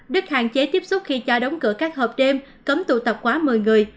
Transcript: đức hạn chế tiếp xúc khi cho đóng cửa các hợp đêm cấm tụ tập quá một mươi người